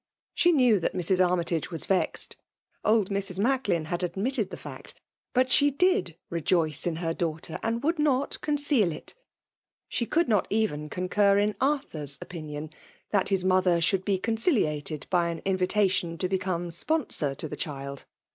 She knew that Mrs. Armytage was vexed, — old Mrs. Macklin had admitted the feet Bitt she dvi rejoice in her daughter^ and would not conceal it She could not even concur in Arthur*s opinion, that his mother should be conciliated by an invitation to be come sponsor to the child.